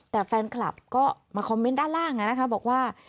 แต่แฟนคลับก็มาคอมเมนต์ด้านล่างบอกว่า